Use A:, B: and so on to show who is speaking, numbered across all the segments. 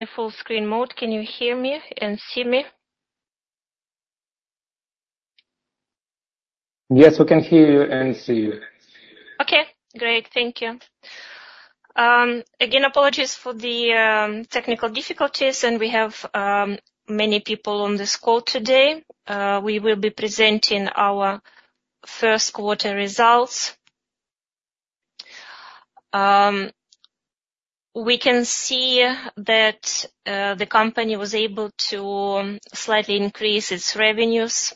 A: In full screen mode. Can you hear me and see me?
B: Yes, we can hear you and see you.
A: Okay, great. Thank you. Again, apologies for the technical difficulties, and we have many people on this call today. We will be presenting our first quarter results. We can see that the company was able to slightly increase its revenues,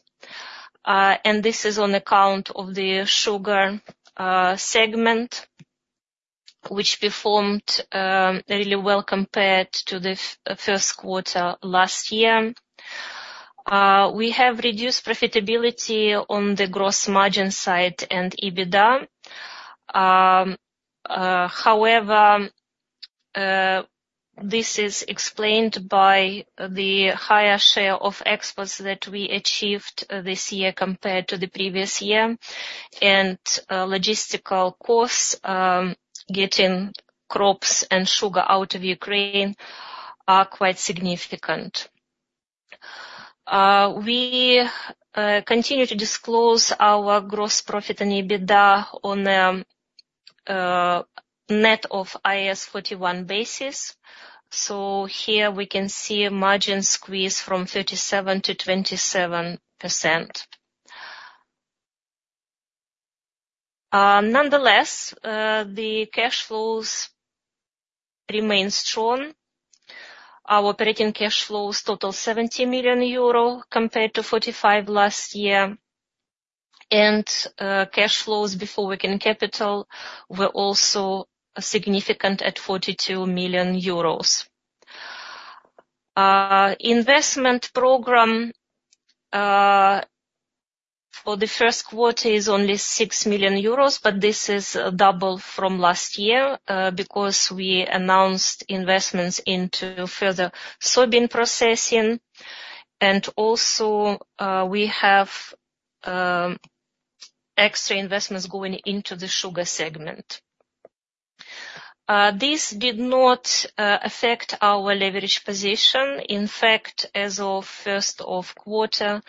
A: and this is on account of the sugar segment, which performed really well compared to the first quarter last year. We have reduced profitability on the gross margin side and EBITDA. However, this is explained by the higher share of exports that we achieved this year compared to the previous year. Logistical costs getting crops and sugar out of Ukraine are quite significant. We continue to disclose our gross profit and EBITDA on the net of IAS 41 basis. So here we can see a margin squeeze from 37% to 27%. Nonetheless, the cash flows remain strong. Our operating cash flows total 70 million euro compared to 45 million last year. Cash flows before working capital were also significant at EUR 42 million. Investment program for the first quarter is only 6 million euros, but this is double from last year, because we announced investments into further soybean processing, and also, we have extra investments going into the sugar segment. This did not affect our leverage position. In fact, as of first quarter,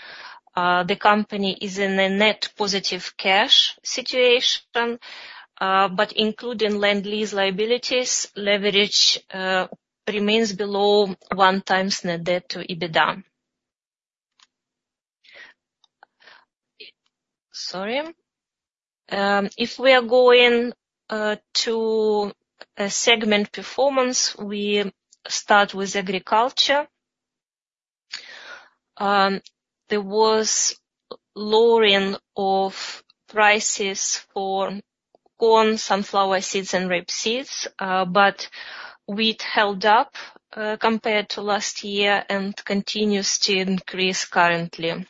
A: the company is in a net positive cash situation, but including land lease liabilities, leverage remains below 1x net debt to EBITDA. Sorry. If we are going to a segment performance, we start with agriculture. There was lowering of prices for corn, sunflower seeds, and rapeseed, but wheat held up, compared to last year and continues to increase currently.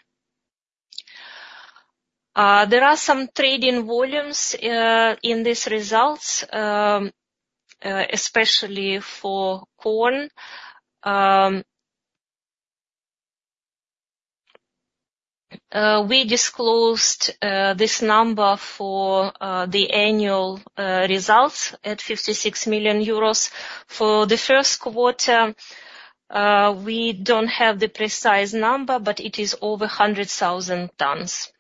A: There are some trading volumes in these results, especially for corn. We disclosed this number for the annual results at 56 million euros. For the first quarter, we don't have the precise number, but it is over 100,000 tons.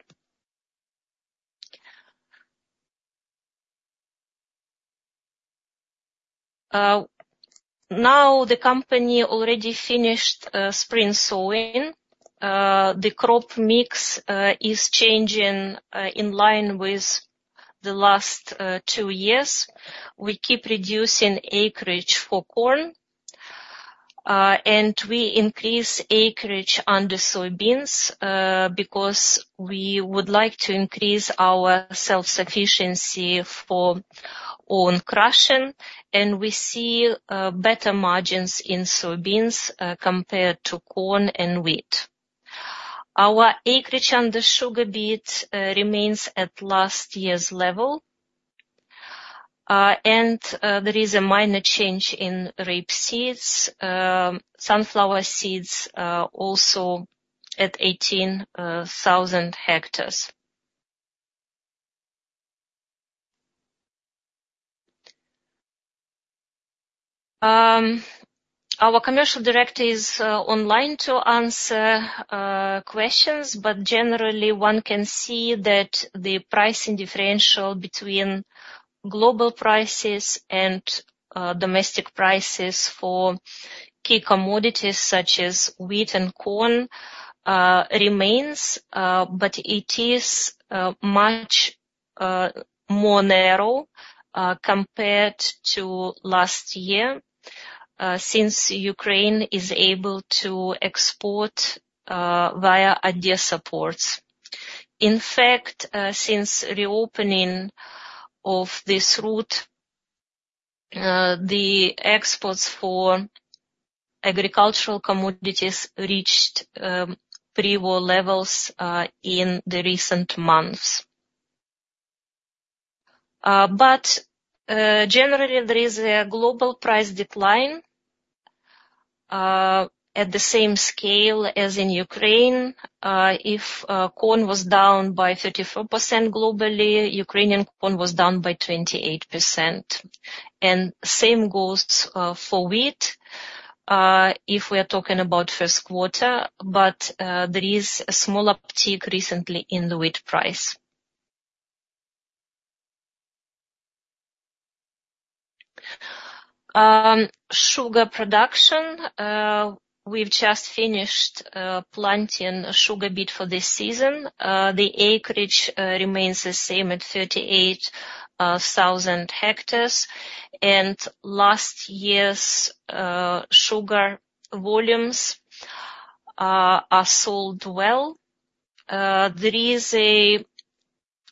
A: Now, the company already finished spring sowing. The crop mix is changing in line with the last two years. We keep reducing acreage for corn, and we increase acreage under soybeans, because we would like to increase our self-sufficiency for own crushing, and we see better margins in soybeans, compared to corn and wheat. Our acreage under sugar beet remains at last year's level, and there is a minor change in rapeseed. Sunflower seeds also at 18,000 hectares. Our Commercial Director is online to answer questions, but generally, one can see that the pricing differential between global prices and domestic prices for key commodities such as wheat and corn remains, but it is much more narrow compared to last year, since Ukraine is able to export via Odesa ports. In fact, since reopening of this route, the exports for agricultural commodities reached pre-war levels in the recent months. But generally, there is a global price decline at the same scale as in Ukraine. If corn was down by 34% globally, Ukrainian corn was down by 28% and same goes for wheat, if we are talking about first quarter, but there is a small uptick recently in the wheat price. Sugar production, we've just finished planting sugar beet for this season. The acreage remains the same at 38,000 hectares, and last year's sugar volumes are sold well. There is a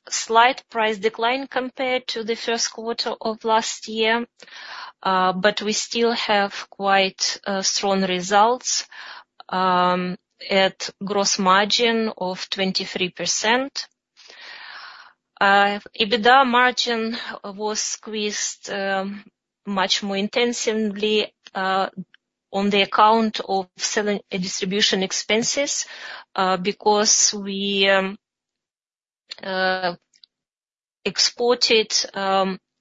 A: slight price decline compared to the first quarter of last year, but we still have quite strong results at gross margin of 23%. EBITDA margin was squeezed much more intensively on the account of selling and distribution expenses because we exported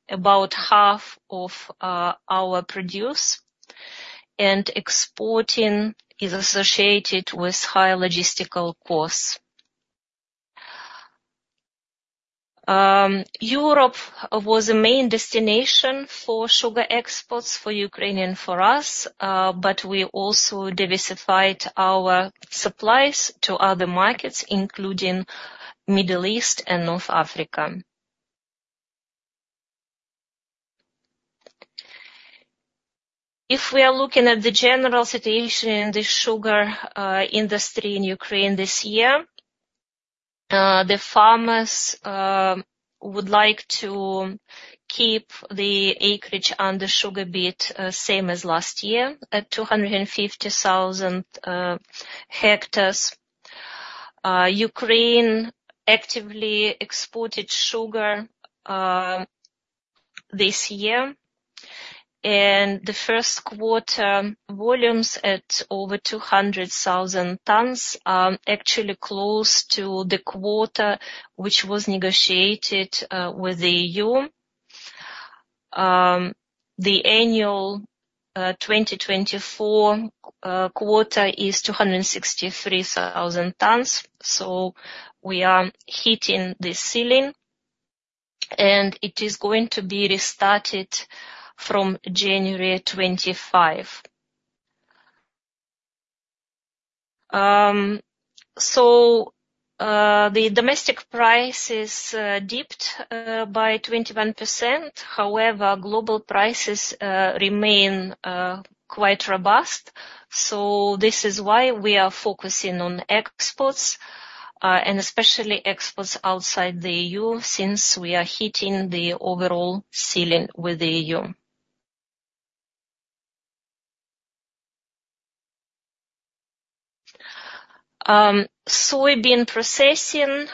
A: about half of our produce, and exporting is associated with high logistical costs. Europe was the main destination for sugar exports for Ukraine and for us, but we also diversified our supplies to other markets, including Middle East and North Africa. If we are looking at the general situation in the sugar industry in Ukraine this year, the farmers would like to keep the acreage on the sugar beet same as last year, at 250,000 hectares. Ukraine actively exported sugar this year, and the first quarter volumes at over 200,000 tons are actually close to the quota, which was negotiated with the EU. The annual 2024 quota is 263,000 tons. So we are hitting the ceiling, and it is going to be restarted from January 2025. The domestic prices dipped by 21%. However, global prices remain quite robust, so this is why we are focusing on exports, and especially exports outside the EU, since we are hitting the overall ceiling with the EU. Soybean processing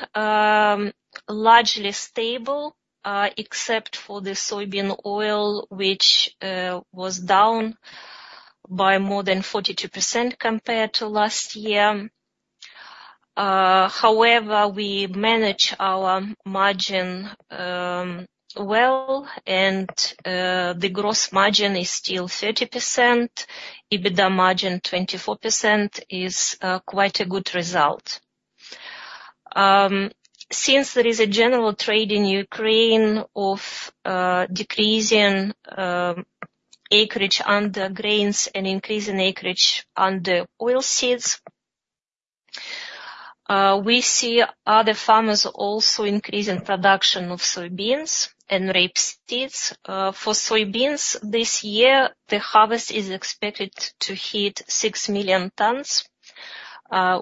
A: largely stable, except for the soybean oil, which was down by more than 42% compared to last year. However, we manage our margin well, and the gross margin is still 30%. EBITDA margin 24% is quite a good result. Since there is a general trend in Ukraine of decreasing acreage under grains and increasing acreage under oilseeds, we see other farmers also increasing production of soybeans and rapeseed. For soybeans this year, the harvest is expected to hit 6 million tons,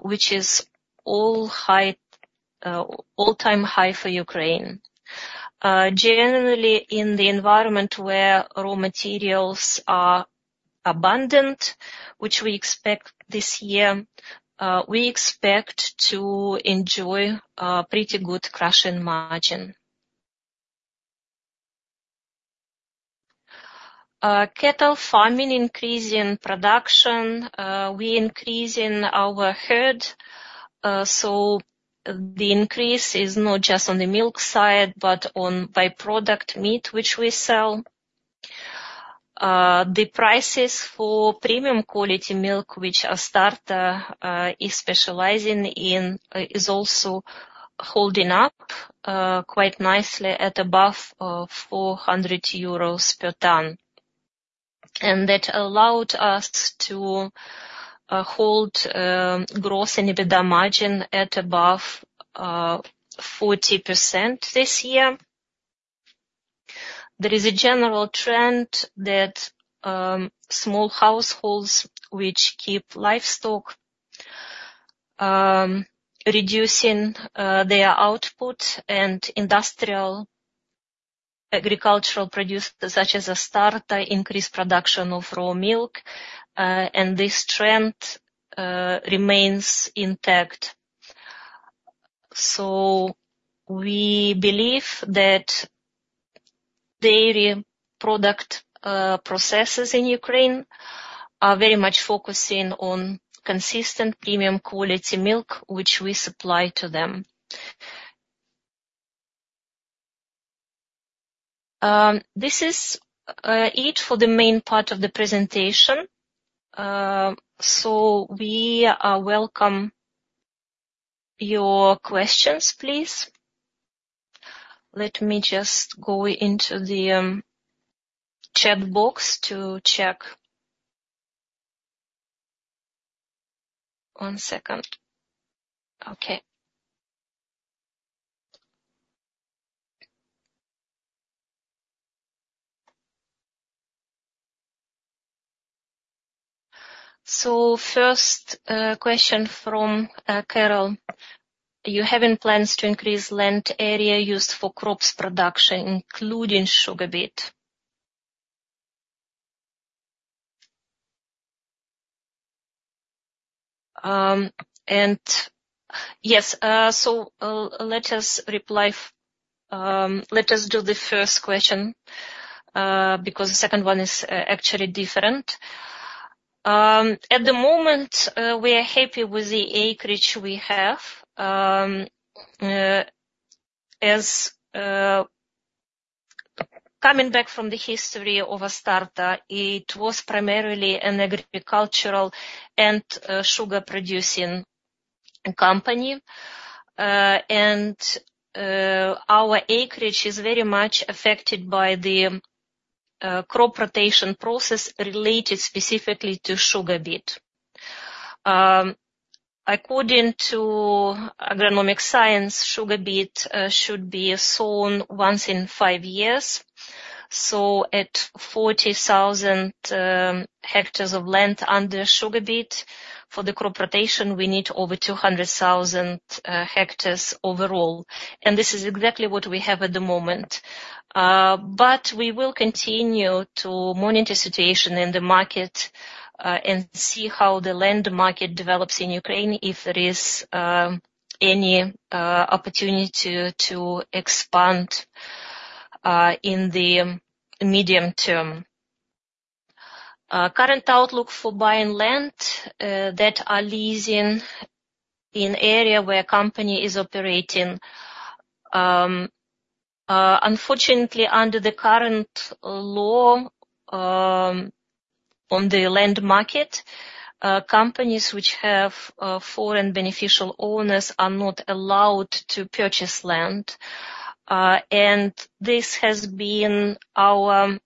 A: which is all-time high for Ukraine. Generally, in the environment where raw materials are abundant, which we expect this year, we expect to enjoy a pretty good crushing margin. Cattle farming increase in production. We increasing our herd, so the increase is not just on the milk side, but on by-product meat, which we sell. The prices for premium quality milk, which Astarta is specializing in, is also holding up quite nicely at above 400 euros per ton. And that allowed us to hold gross and EBITDA margin at above 40% this year. There is a general trend that small households which keep livestock reducing their output and industrial agricultural producers, such as Astarta, increase production of raw milk, and this trend remains intact. So we believe that dairy product processors in Ukraine are very much focusing on consistent premium quality milk, which we supply to them. This is it for the main part of the presentation. So we welcome your questions, please. Let me just go into the chat box to check. One second. Okay. So first question from Carol: You having plans to increase land area used for crops production, including sugar beet? And yes, so let us reply, let us do the first question, because the second one is actually different. At the moment, we are happy with the acreage we have. As... Coming back from the history of Astarta, it was primarily an agricultural and sugar producing company. Our acreage is very much affected by the crop rotation process related specifically to sugar beet. According to agronomic science, sugar beet should be sown once in five years. So at 40,000 hectares of land under sugar beet, for the crop rotation, we need over 200,000 hectares overall, and this is exactly what we have at the moment. But we will continue to monitor the situation in the market and see how the land market develops in Ukraine, if there is any opportunity to expand in the medium term. Current outlook for buying land that are leasing in area where company is operating. Unfortunately, under the current law on the land market, companies which have foreign beneficial owners are not allowed to purchase land. This has been our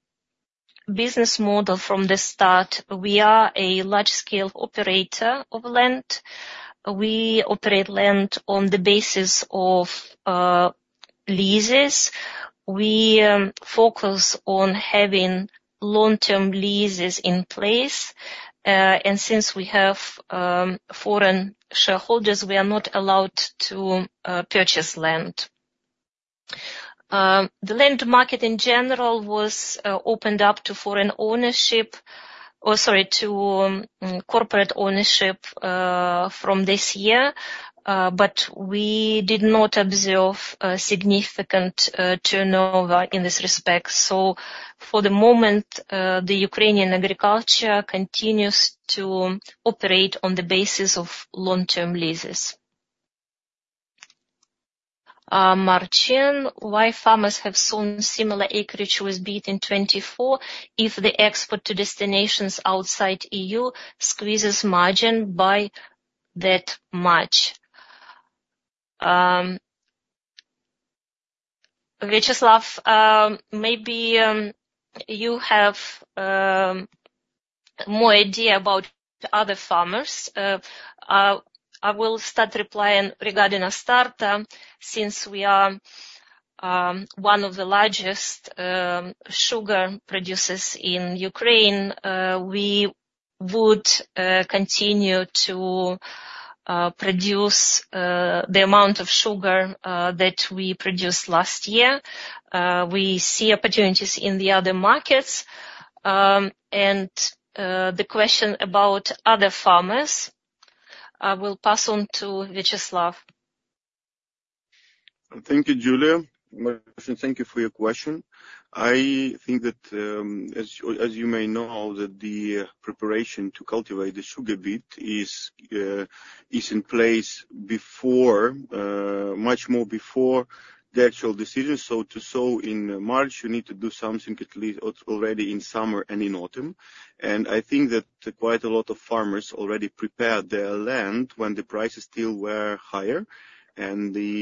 A: business model from the start. We are a large-scale operator of land. We operate land on the basis of leases. We focus on having long-term leases in place, and since we have foreign shareholders, we are not allowed to purchase land. The land market in general was opened up to foreign ownership, or sorry, to corporate ownership, from this year. But we did not observe a significant turnover in this respect. So for the moment, the Ukrainian agriculture continues to operate on the basis of long-term leases. Martin: Why farmers have sown similar acreage with beet in 2024 if the export to destinations outside EU squeezes margin by that much? Viacheslav, maybe you have more idea about the other farmers. I will start replying regarding Astarta, since we are one of the largest sugar producers in Ukraine. We would continue to produce the amount of sugar that we produced last year. We see opportunities in the other markets. The question about other farmers, I will pass on to Viacheslav.
B: Thank you, Julia. Martin, thank you for your question. I think that, as you may know, that the preparation to cultivate the sugar beet is in place before, much more before the actual decision. So to sow in March, you need to do something at least already in summer and in autumn. And I think that quite a lot of farmers already prepared their land when the prices still were higher, and the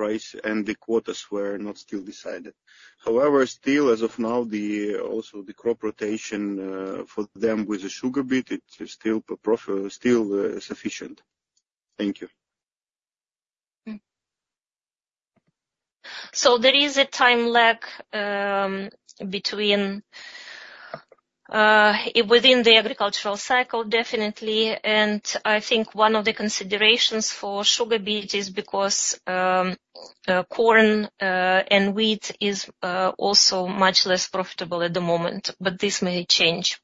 B: price and the quotas were not still decided. However, still, as of now, also the crop rotation for them with the sugar beet, it is still sufficient. Thank you.
A: So there is a time lag between within the agricultural cycle, definitely. And I think one of the considerations for sugar beet is because corn and wheat is also much less profitable at the moment, but this may change.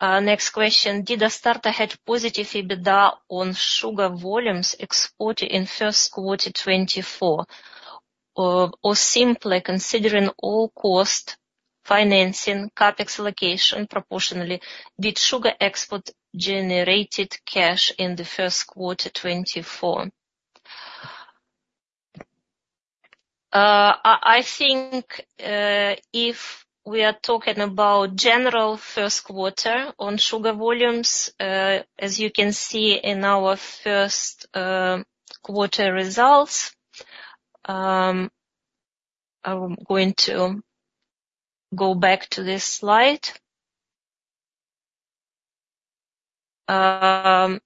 A: Next question: Did Astarta have positive EBITDA on sugar volumes exported in first quarter 2024 or simply considering all cost, financing, CapEx allocation proportionally, did sugar export generated cash in the first quarter 2024? I think if we are talking about general first quarter on sugar volumes, as you can see in our first quarter results, I'm going to go back to this slide. The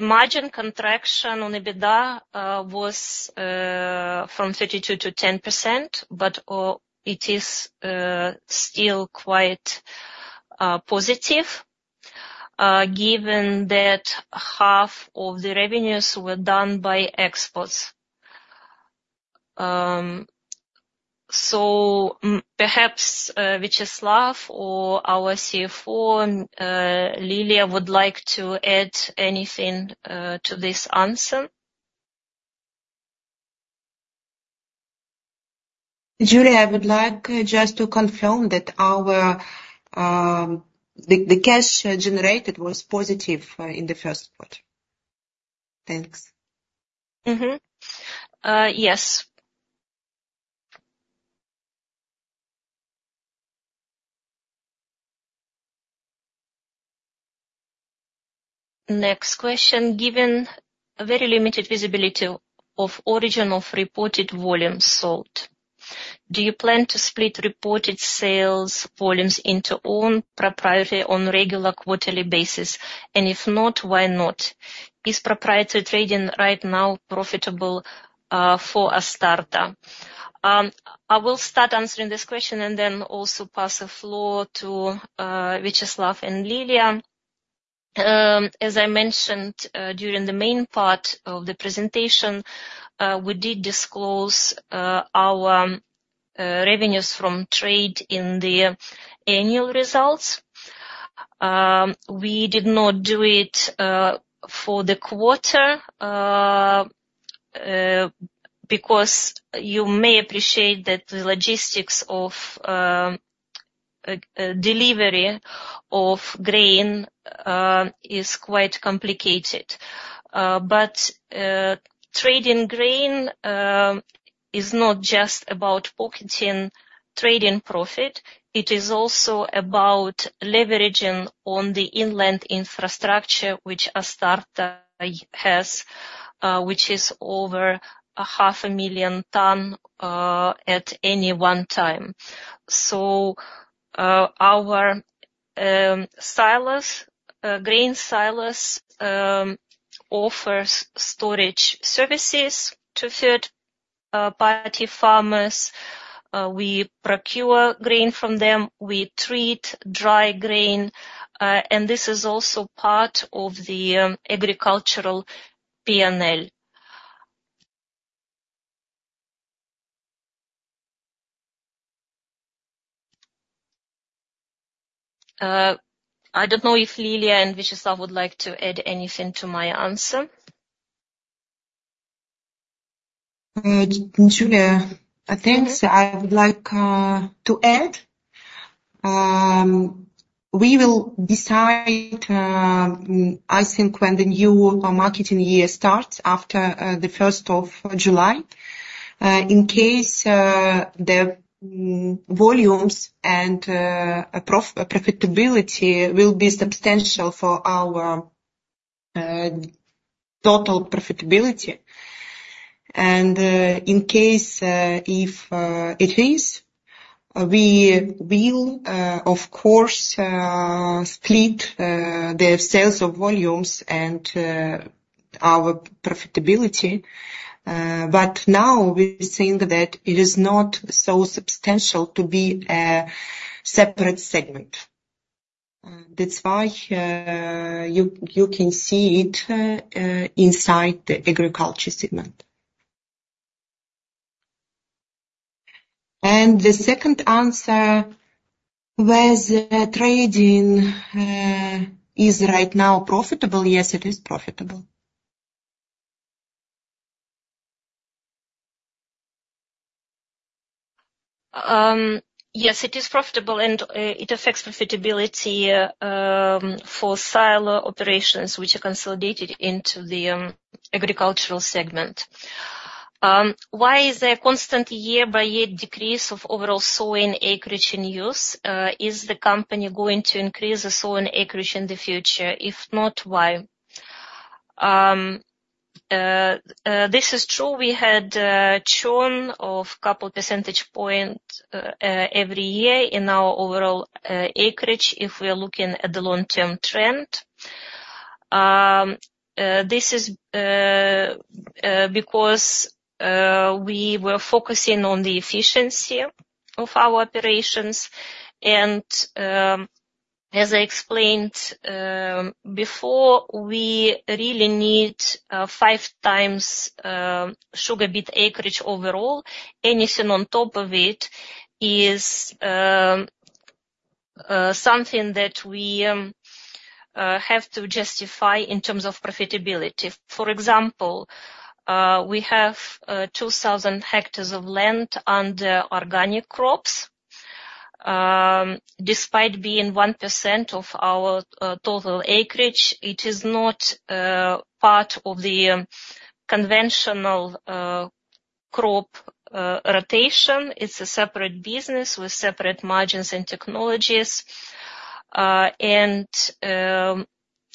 A: margin contraction on EBITDA was from 32% to 10%, but it is still quite positive, given that half of the revenues were done by exports. So, perhaps Viacheslav or our CFO, Liliia, would like to add anything to this answer?
C: Julia, I would like just to confirm that our cash generated was positive in the first quarter. Thanks.
A: Mm-hmm. Yes. Next question: Given a very limited visibility of origin of reported volumes sold, do you plan to split reported sales volumes into own proprietary on regular quarterly basis? And if not, why not? Is proprietary trading right now profitable, for Astarta? I will start answering this question and then also pass the floor to, Viacheslav and Liliia. As I mentioned, during the main part of the presentation, we did disclose, our revenues from trade in the annual results. We did not do it, for the quarter, because you may appreciate that the logistics of, delivery of grain, is quite complicated. But trading grain is not just about pocketing trading profit, it is also about leveraging on the inland infrastructure which Astarta has, which is over 500,000 tons at any one time. So, our silos, grain silos, offers storage services to third-party farmers. We procure grain from them, we treat dry grain, and this is also part of the agricultural P&L. I don't know if Liliia and Viacheslav would like to add anything to my answer.
C: Julia, thanks. I would like to add we will decide, I think, when the new marketing year starts after the first of July. In case the volumes and profitability will be substantial for our total profitability. And in case if it is, we will, of course, split the sales of volumes and our profitability. But now we think that it is not so substantial to be a separate segment. That's why you can see it inside the agriculture segment. And the second answer was trading is right now profitable? Yes, it is profitable.
A: Yes, it is profitable, and it affects profitability for silo operations, which are consolidated into the agricultural segment. Why is there a constant year-by-year decrease of overall sowing acreage in use? Is the company going to increase the sowing acreage in the future? If not, why? This is true. We had churn of couple percentage point every year in our overall acreage, if we are looking at the long-term trend. This is because we were focusing on the efficiency of our operations. As I explained before, we really need five times sugar beet acreage overall. Anything on top of it is something that we have to justify in terms of profitability. For example, we have 2,000 hectares of land under organic crops. Despite being 1% of our total acreage, it is not part of the conventional crop rotation. It's a separate business with separate margins and technologies. And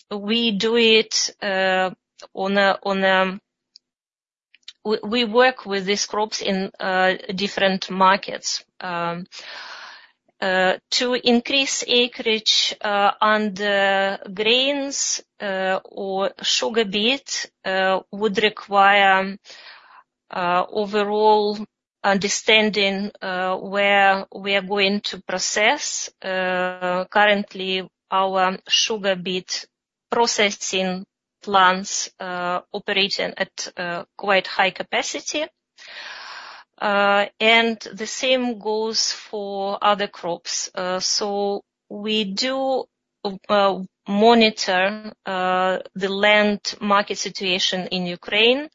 A: we work with these crops in different markets. To increase acreage under grains or sugar beet would require overall understanding where we are going to process. Currently, our sugar beet processing plants operating at quite high capacity. And the same goes for other crops. So we do monitor the land market situation in Ukraine.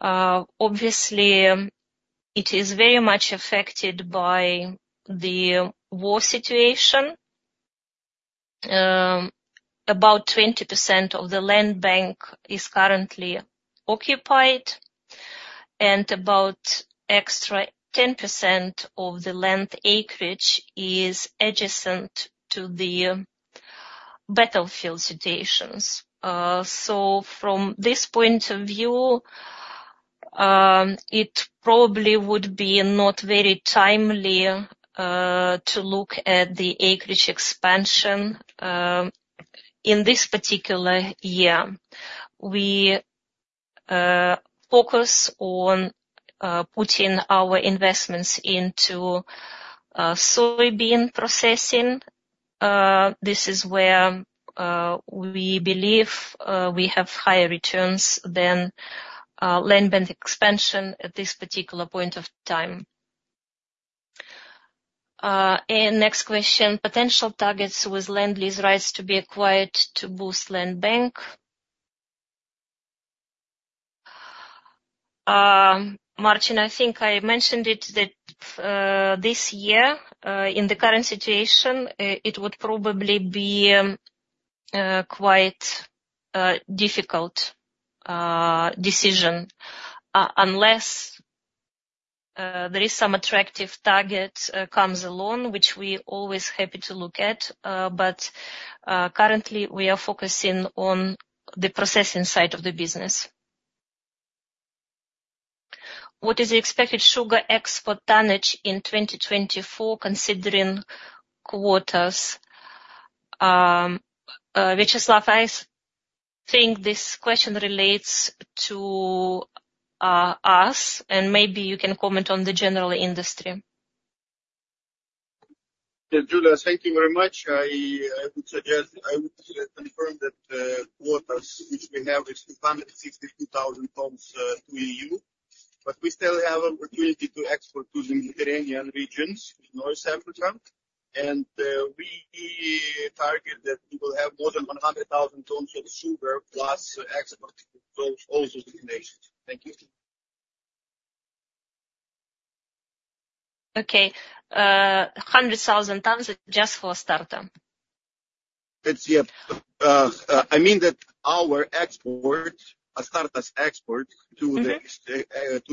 A: Obviously, it is very much affected by the war situation. About 20% of the land bank is currently occupied, and about extra 10% of the land acreage is adjacent to the battlefield situations. So from this point of view, it probably would be not very timely to look at the acreage expansion in this particular year. We focus on putting our investments into soybean processing. This is where we believe we have higher returns than land bank expansion at this particular point of time. And next question, potential targets with land lease rights to be acquired to boost land bank? Martin, I think I mentioned it that this year, in the current situation, it would probably be quite difficult decision unless there is some attractive target comes along, which we always happy to look at, but currently, we are focusing on the processing side of the business. What is the expected sugar export tonnage in 2024, considering quotas? Viacheslav, I think this question relates to us, and maybe you can comment on the general industry.
B: Yes, Julia, thank you very much. I would confirm that quotas, which we have, is 262,000 tons to EU. But we still have opportunity to export to the Mediterranean regions, North Africa, and we target that we will have more than 100,000 tons of sugar plus export to all those destinations. Thank you.
A: Okay, 100,000 tons is just for starters.
B: That's, yeah. I mean that our export, Astarta's export to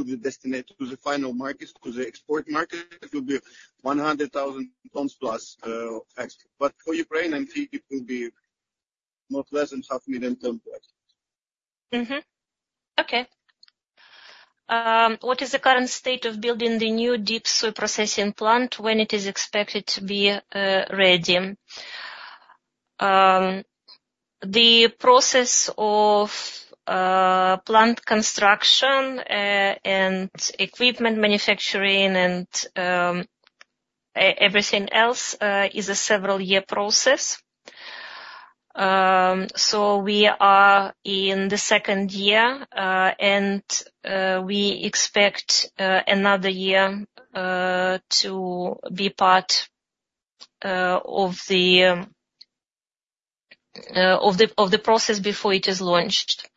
B: the destination, to the final markets, to the export market, it will be 100,000 tons +, export. But for Ukraine, I think it will be not less than 500,000 tons export.
A: Mm-hmm. Okay. What is the current state of building the new deep soy processing plant? When it is expected to be ready? The process of plant construction and equipment manufacturing and everything else is a several year process. So we are in the second year and we expect another year to be part of the process before it is launched.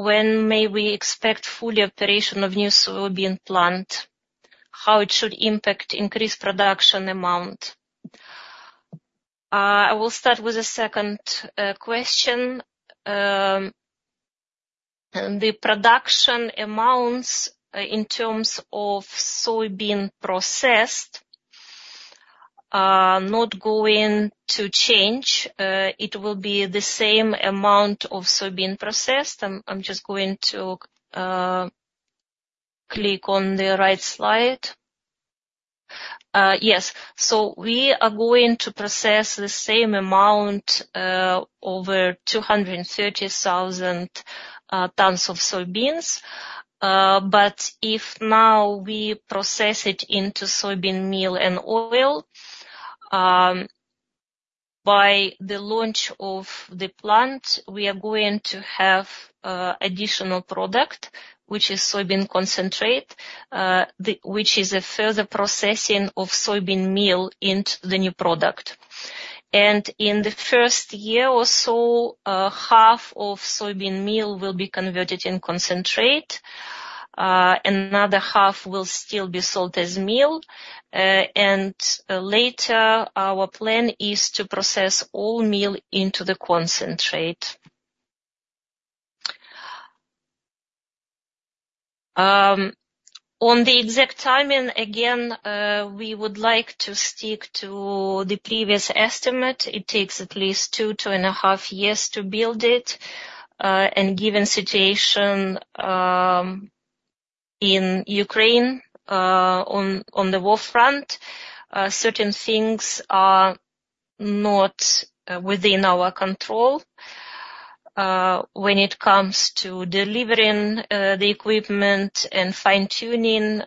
A: When may we expect full operation of new soybean plant? How it should impact increased production amount? I will start with the second question. The production amounts in terms of soybean processed are not going to change. It will be the same amount of soybean processed. I'm just going to click on the right slide. Yes. So we are going to process the same amount, over 230,000 tons of soybeans. But if now we process it into soybean meal and oil. By the launch of the plant, we are going to have additional product, which is soybean concentrate, the which is a further processing of soybean meal into the new product. And in the first year or so, half of soybean meal will be converted in concentrate, another half will still be sold as meal. And, later, our plan is to process all meal into the concentrate. On the exact timing, again, we would like to stick to the previous estimate. It takes at least two-2.5 years to build it. And given situation in Ukraine on the war front, certain things are not within our control. When it comes to delivering the equipment and fine-tuning,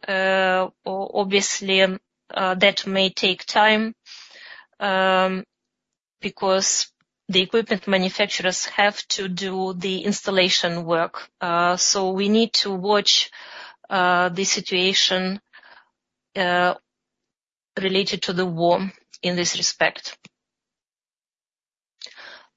A: obviously, that may take time, because the equipment manufacturers have to do the installation work. So we need to watch the situation related to the war in this respect.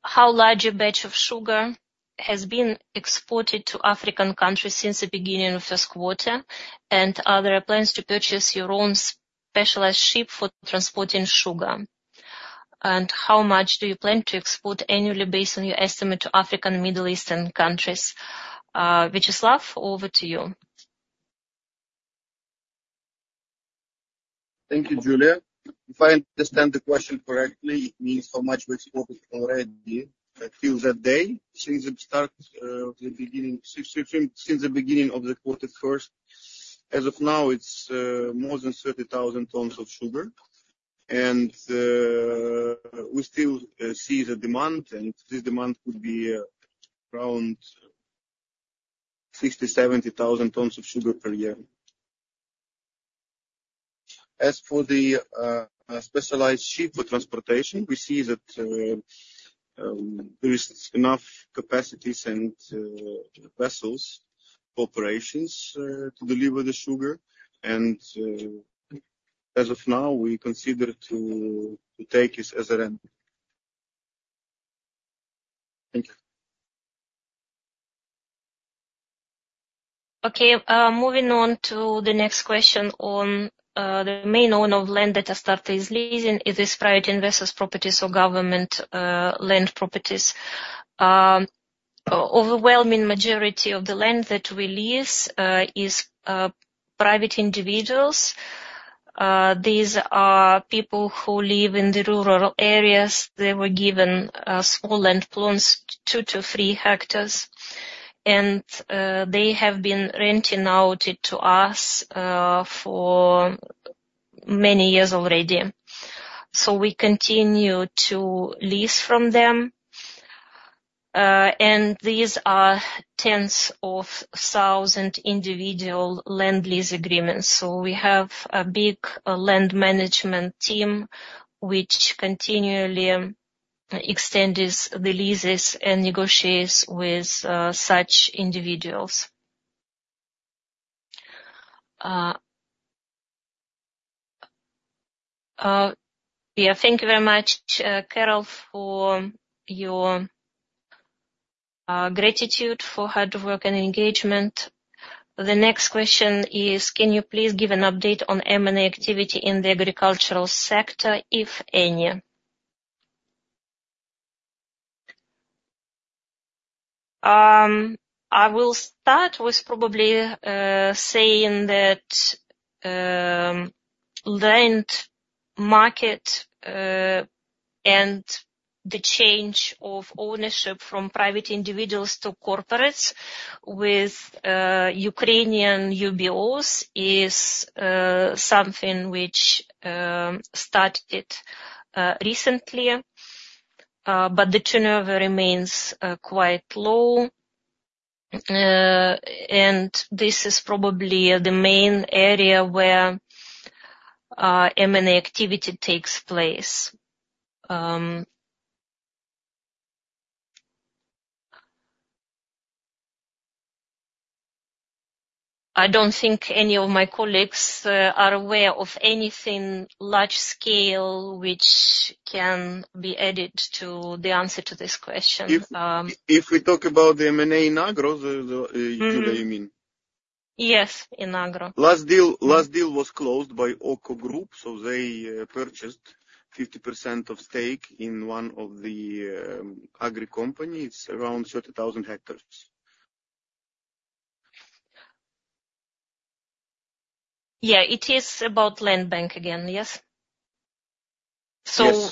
A: How large a batch of sugar has been exported to African countries since the beginning of first quarter? And are there plans to purchase your own specialized ship for transporting sugar? And how much do you plan to export annually based on your estimate to African, Middle Eastern countries? Viacheslav, over to you.
B: Thank you, Julia. If I understand the question correctly, it means how much we exported already till that day since the beginning of the first quarter. As of now, it's more than 30,000 tons of sugar. And we still see the demand, and this demand would be around 60,000-70,000 tons of sugar per year. As for the specialized ship for transportation, we see that there is enough capacities and vessels, operations to deliver the sugar. And as of now, we consider to take this as a rent. Thank you.
A: Okay, moving on to the next question on the main owner of land that Astarta is leasing. Is this private investors' properties or government land properties? Overwhelming majority of the land that we lease is private individuals. These are people who live in the rural areas. They were given small land plots, two to three hectares, and they have been renting out it to us for many years already. So we continue to lease from them. And these are tens of thousand individual land lease agreements. So we have a big land management team, which continually extends the leases and negotiates with such individuals. Yeah, thank you very much, Carol, for your gratitude for hard work and engagement. The next question is: can you please give an update on M&A activity in the agricultural sector, if any? I will start with probably saying that the end market and the change of ownership from private individuals to corporates with Ukrainian UBOs is something which started recently, but the turnover remains quite low. And this is probably the main area where M&A activity takes place. I don't think any of my colleagues are aware of anything large-scale which can be added to the answer to this question.
B: If we talk about the M&A in agro,
A: Mm-hmm.
B: Julia, you mean?
A: Yes, in agro.
B: Last deal, last deal was closed by OKKO Group, so they purchased 50% of stake in one of the agri companies. It's around 30,000 hectares.
A: Yeah, it is about land bank again, yes?
B: Yes.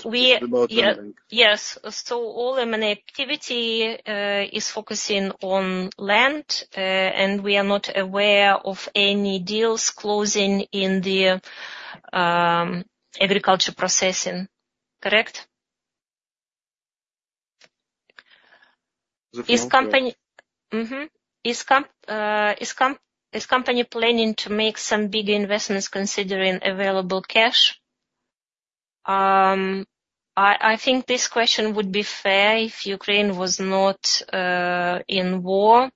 A: So we
B: About land bank.
A: Yes. Yes, so all M&A activity is focusing on land, and we are not aware of any deals closing in the agriculture processing. Correct? Is company planning to make some big investments considering available cash? I think this question would be fair if Ukraine was not in war.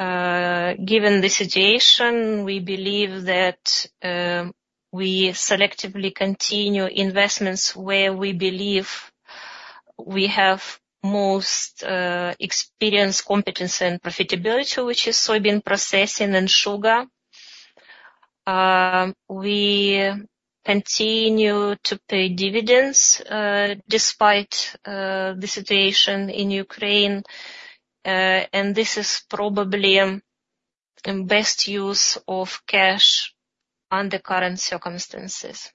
A: Given the situation, we believe that we selectively continue investments where we believe we have most experience, competence, and profitability, which is soybean processing and sugar. We continue to pay dividends despite the situation in Ukraine, and this is probably the best use of cash under current circumstances.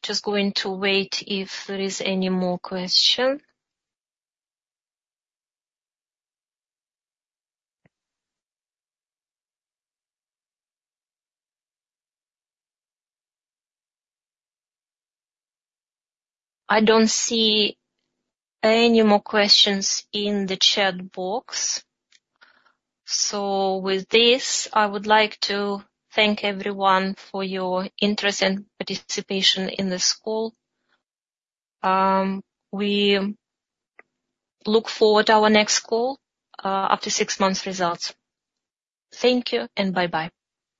A: Just going to wait if there is any more question. I don't see any more questions in the chat box. So with this, I would like to thank everyone for your interest and participation in this call. We look forward to our next call after six months results. Thank you, and bye-bye.